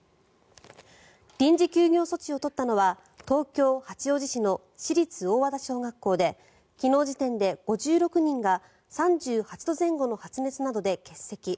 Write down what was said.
臨時休業措置を取ったのは東京・八王子市の市立大和田小学校で昨日時点で５６人が３８度前後の発熱などで欠席。